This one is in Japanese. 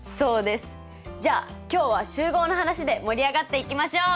じゃ今日は集合の話で盛り上がっていきましょう！